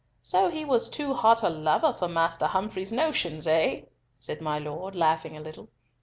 So he was too hot a lover for Master Humfrey's notions, eh?" said my Lord, laughing a little.